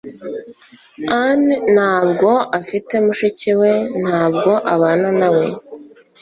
ann ntabwo afite mushiki we ntabwo abana na we